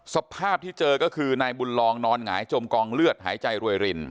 สภาพที่เจอก็คือนายบุญลองนอนหงายจมกองเลือดหายใจรวยริน